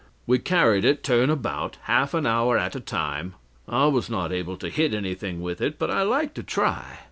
We carried it turn about, half an hour at a time. I was not able to hit anything with it, but I liked to try.